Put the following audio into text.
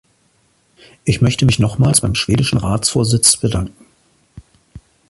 Ich möchte mich nochmals beim schwedischen Ratsvorsitz bedanken.